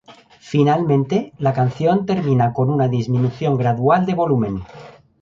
Finalmente, la canción termina con una disminución gradual de volumen.